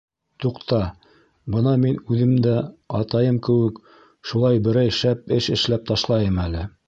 Туҡта, бына мин үҙем дә, атайым кеүек, шулай берәй шәп эш эшләп ташлайым әле.